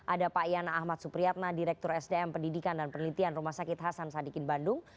ada pak yana ahmad supriyatna direktur sdm pendidikan dan penelitian rumah sakit hasan sadikin bandung